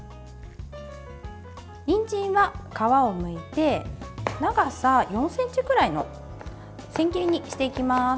にんじんは皮をむいて長さ４ｃｍくらいの千切りにしていきます。